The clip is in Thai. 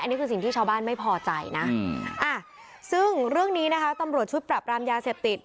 นี่คือสิ่งที่ชาวบ้านไม่พอใจนะซึ่งเรื่องนี้นะคะตำรวจชุดปรับรามยาเสพติด